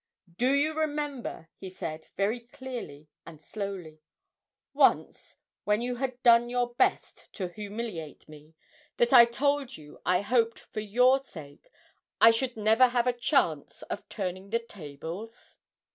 'Do you remember,' he said, very clearly and slowly, 'once, when you had done your best to humiliate me, that I told you I hoped for your sake I should never have a chance of turning the tables?'